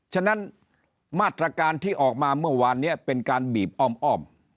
ฉะนั้นมาตรการที่ออกมาเมื่อวานนี้เป็นการบีบอ้อม